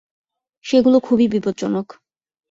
সেগুলো খুবই বিপজ্জনক।